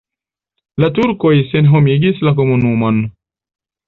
La turkoj senhomigis la komunumon.